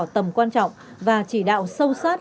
tầm quan trọng và chỉ đạo sâu sát